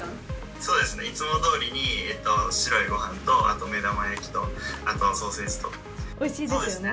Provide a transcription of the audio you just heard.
そうですね、いつもどおりに白いごはんと、あと目玉焼きと、あとソーセージおいしいですよね。